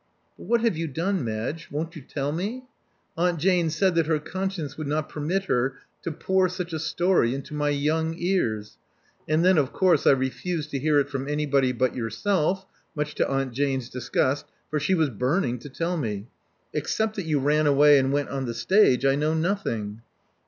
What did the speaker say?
But what have you done, Madge? Won't you tell me? Aunt Jane said that her conscience would not permit her to pour such a story into my young ears ; and then of course I refused to hear it from anybody but yourself, much to Aunt Jane's disgust; for she was burning to tell me. Except that you ran away and went on the stage, I know nothing.